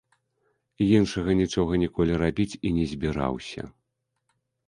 Іншага нічога ніколі рабіць і не збіраўся.